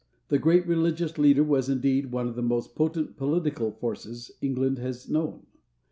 The great religious leader was indeed one of the most potent political forces England has known.